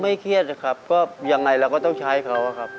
ไม่เครียดครับก็อย่างไรเราก็ต้องใช้เขาครับ